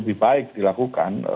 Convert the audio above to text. lebih baik dilakukan